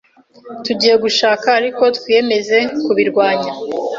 Tugiye gushaka, ariko twiyemeza kubirwanya.